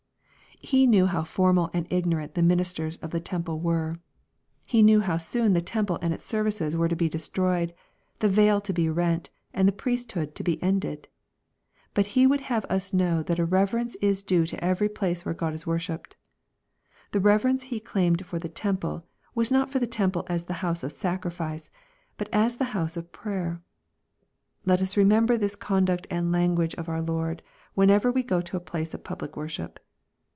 He knew how formal and ignorant the ministers of the temple were. He knew how soon the temple and its services were to be destroyed, the veil to be rent, and the priesthood to be ended. But He would have us know that a reverence is due to every place where God is worshipped. The reverence He claimed for the temple, was not for the temple as the house of sacrifice, but as " the house of prayer." Let us remember this conduct and language of our Lord, whenever we go to a place of public worship.